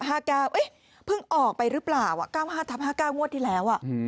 เพิ่งออกไปหรือเปล่า๙๕ทับ๕๙งวดที่แล้ว